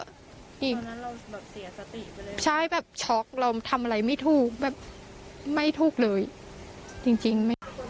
ตอนนั้นเราแบบเสียสติไปเลยใช่แบบช็อกเราทำอะไรไม่ถูกแบบไม่ถูกเลยจริงจริงไหม